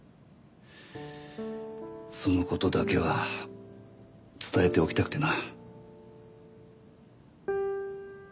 その事だけは伝えておきたくてな。